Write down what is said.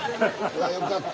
あよかった。